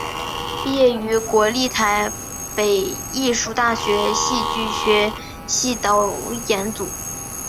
毕业于国立台北艺术大学戏剧学系导演组。